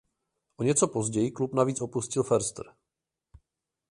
O něco později klub navíc opustil Förster.